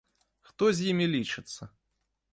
Хто з імі лічыцца!